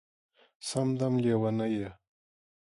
سم دم لېونی یې